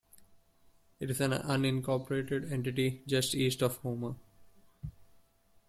It is an unincorporated entity just east of Homer.